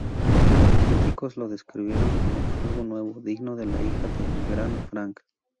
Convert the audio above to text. Los críticos lo describieron como "Algo Nuevo, Digno de la hija del gran Frank".